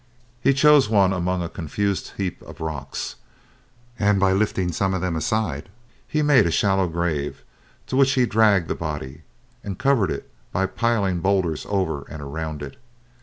He chose one among a confused heap of rocks, and by lifting some of them aside he made a shallow grave, to which he dragged the body, and covered it by piling boulders over and around it.